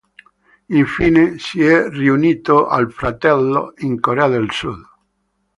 Infine si è riunito al fratello in Corea del Sud.